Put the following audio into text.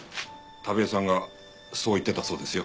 田部井さんがそう言ってたそうですよ。